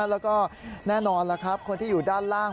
แล้วก็แน่นอนล่ะครับคนที่อยู่ด้านล่าง